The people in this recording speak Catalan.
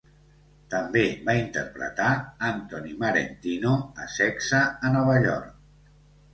També va interpretar Anthony Marentino a "Sexe a Nova York".